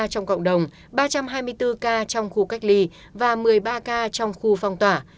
trong cộng đồng ba trăm hai mươi bốn ca trong khu cách ly và một mươi ba ca trong khu phong tỏa